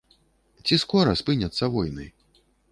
Ці скора спыняцца войны?